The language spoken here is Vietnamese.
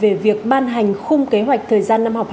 về việc ban hành khung kế hoạch thời gian năm học